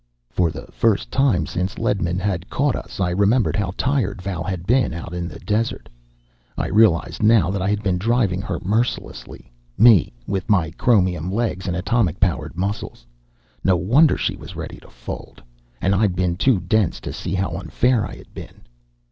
For the first time since Ledman had caught us, I remembered how tired Val had been out on the desert. I realized now that I had been driving her mercilessly me, with my chromium legs and atomic powered muscles. No wonder she was ready to fold! And I'd been too dense to see how unfair I had been.